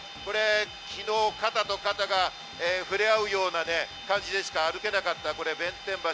昨日、肩と肩が触れ合うような感じでしか歩けなかった弁天橋。